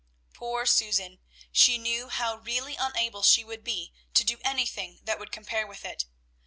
Poor Susan! She knew how really unable she would be to do anything that would compare with it.